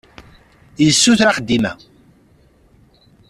Yessuter axeddim-a.